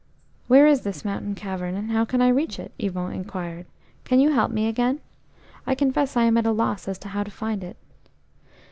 "Where is his mountain cavern, and how can I reach it?" Yvon inquired. "Can you help me again? I confess I am at a loss as to how to find it."